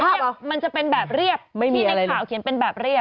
มันจะเป็นแบบเรียบที่ในข่าวเขียนเป็นแบบเรียบ